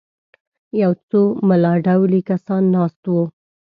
یو څو ملا ډولي کسان ناست وو.